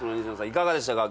いかがでしたか？